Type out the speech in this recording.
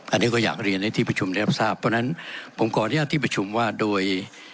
อันนี้ก็อยากเรียนให้ที่ประชุมได้รับทราบเพราะฉะนั้นผมขออนุญาตที่ประชุมว่าโดย